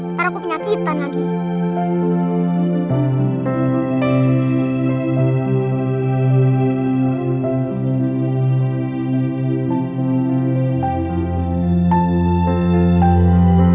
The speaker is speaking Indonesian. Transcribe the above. ntar aku penyakitan lagi